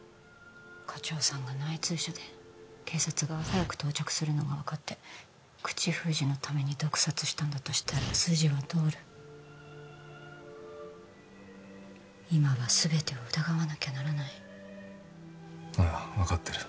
課長さんが内通者で警察が早く到着するのが分かって口封じのために毒殺したんだとしたら筋は通る今はすべてを疑わなきゃならないああ分かってる